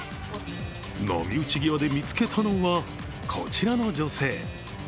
波打ち際で見つけたのはこちらの女性。